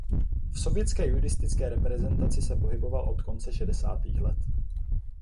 V sovětské judistické reprezentaci se pohyboval od konce šedesátých let.